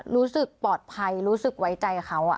รู้สึกปลอดภัยรู้สึกไว้ใจเขา